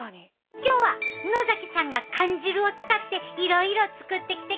今日は野さんが缶汁を使っていろいろ作ってきてくれたで。